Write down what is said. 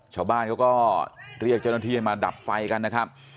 ชาวบ้านเขาก็เรียกเจ้าหน้าที่ให้มาดับไฟกันนะครับ